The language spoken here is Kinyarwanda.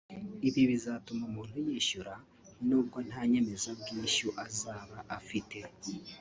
Ibi bizatuma umuntu yishyura nubwo nta nyemezabwishyu azaba afite